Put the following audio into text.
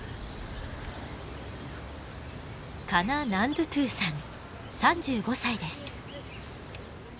カナ・ナンドゥトゥさん３５歳です。